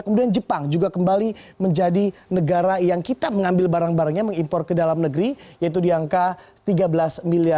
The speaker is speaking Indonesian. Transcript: kemudian jepang juga kembali menjadi negara yang kita mengambil barang barangnya mengimpor ke dalam negeri yaitu di angka tiga belas miliar